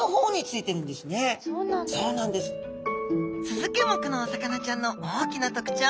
スズキ目のお魚ちゃんの大きな特徴